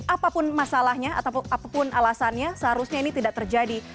apapun masalahnya ataupun apapun alasannya seharusnya ini tidak terjadi